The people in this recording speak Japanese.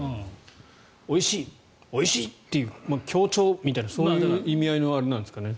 おいしい、おいしいという強調みたいなそういう意味合いのあれなんですかね。